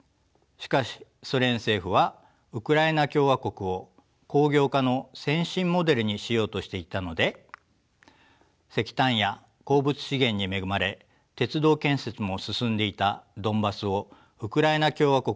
しかしソ連政府はウクライナ共和国を工業化の先進モデルにしようとしていたので石炭や鉱物資源に恵まれ鉄道建設も進んでいたドンバスをウクライナ共和国に含めました。